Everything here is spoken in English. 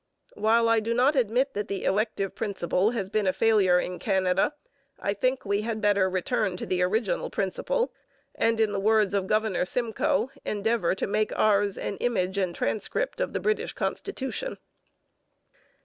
While I do not admit that the elective principle has been a failure in Canada, I think we had better return to the original principle, and in the words of Governor Simcoe endeavour to make ours 'an image and transcript of the British constitution.'